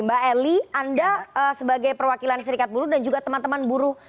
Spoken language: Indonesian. mbak eli anda sebagai perwakilan serikat buruh dan juga teman teman buruh